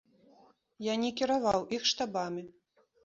Я не кіраваў іх штабамі.